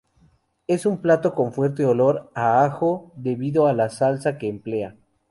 Es un plato con fuerte olor a ajo debido a la salsa que emplea.